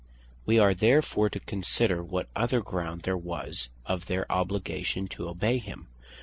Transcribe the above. We are therefore to consider, what other ground there was, of their obligation to obey him.